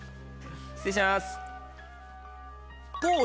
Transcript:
失礼します。